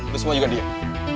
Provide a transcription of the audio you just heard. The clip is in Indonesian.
lu semua juga diem